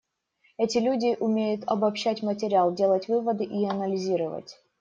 Эти люди умеют обобщать материал, делать выводы и анализировать.